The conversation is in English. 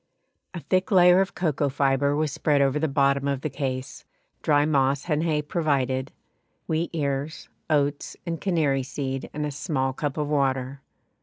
A thick layer of cocoa fibre was spread over the bottom of the case, dry moss and hay provided, wheat ears, oats, and canary seed, and a small cup of water.